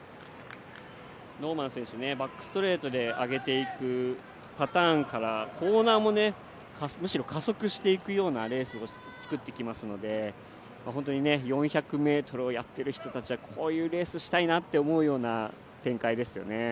ノーマン選手バックストレートで上げていくパターンからコーナーも、むしろ加速していくようなレースをつくっていくので本当に４００ｍをやっている人たちはこういうレースしたいなと思うような展開ですね。